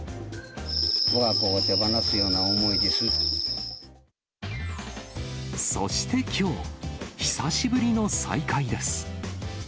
わが子を手放すような思いでそしてきょう、久しぶりの再会です。